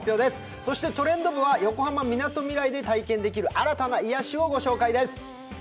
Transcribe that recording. そして、「トレンド部」は横浜みなとみらいで体験できる新たな癒しをご紹介です。